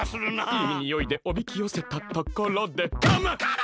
いいにおいでおびきよせたところでカマ！